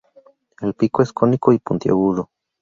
El pico es cónico y puntiagudo.